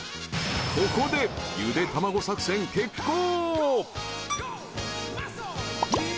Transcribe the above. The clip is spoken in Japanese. ［ここでゆでたまご作戦決行］